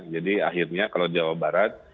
jadi akhirnya kalau jawa barat